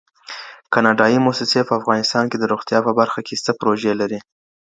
کاناډایي موسسې په افغانستان کي د روغتیا په برخه کي څه پروژې لري؟